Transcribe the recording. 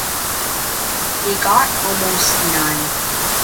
He got almost none.